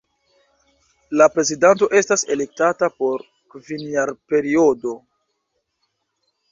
La prezidanto estas elektata por kvinjarperiodo.